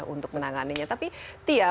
untuk menanganinya tapi tia